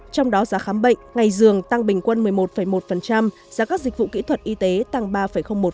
trong đó giá khám bệnh ngày dường tăng bình quân một mươi một một giá các dịch vụ kỹ thuật y tế tăng ba một